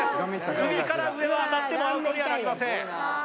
首から上は当たってもアウトにはなりません